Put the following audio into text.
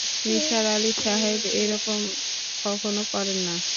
নিসার আলি সাহেব এ রকম কখনো করেন না।